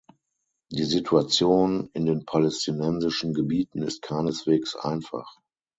Die Situation in den palästinensischen Gebieten ist keineswegs einfach.